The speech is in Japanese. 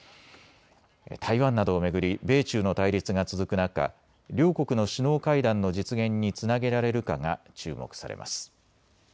台湾などを巡り米中の対立が続く中、両国の首脳会談の実現につなげられるかが注目されます。